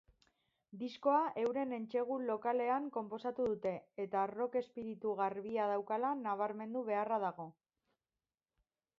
Diskoa euren entsegu-lokalean konposatu dute eta rock espiritu garbia daukala nabarmendu beharra dago.